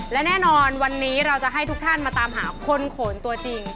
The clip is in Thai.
และแน่นอนวันนี้เราจะให้ทุกท่านมาตามหาคนโขนตัวจริง